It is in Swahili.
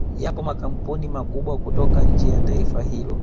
Yapo makampuni makubwa kutoka nje ya taifa hilo